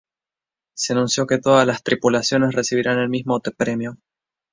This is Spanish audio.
Se anunció que todas las tripulaciones recibirían el mismo premio.